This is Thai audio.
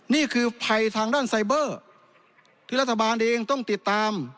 นี่คือภัยทางด้านไซเบอร์ที่รัฐบาลเองต้องติดตาม